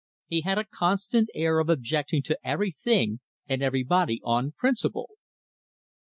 He had a constant air of objecting to everything and everybody on principle.